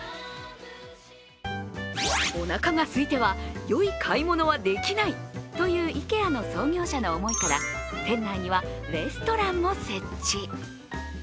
おなかがすいては良い買い物はできないというＩＫＥＡの創業者の思いから店内にはレストランも設置。